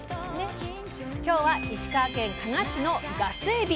今日は石川県加賀市の「ガスエビ」。